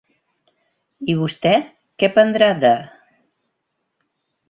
I vostè, què prendrà de??